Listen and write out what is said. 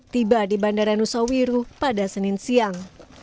tiba di bandara nusawiru pada senin siang